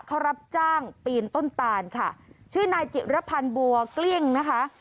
เขารับจ้างปีนต้นตานค่ะชื่อนายจิรพันธ์บัวเกลี้ยงนะคะ